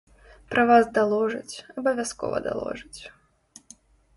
Пра вас даложаць, абавязкова даложаць.